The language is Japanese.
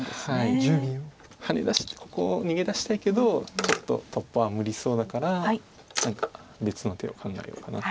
ここ逃げ出したいけどちょっと突破は無理そうだから何か別の手を考えようかなって。